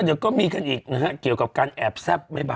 จะก็มีเรื่อนอีกนะครับ